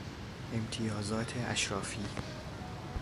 امتیازات اشرافی